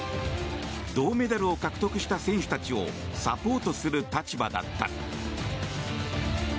銅メダルを獲得した選手たちをサポートする立場だった。